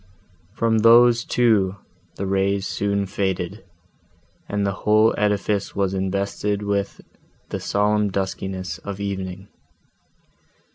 From those, too, the rays soon faded, and the whole edifice was invested with the solemn duskiness of evening.